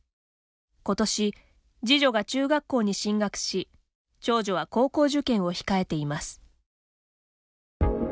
今年、次女が中学校に進学し長女は高校受験を控えています。